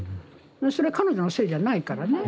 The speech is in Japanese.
それは彼女のせいじゃないからね。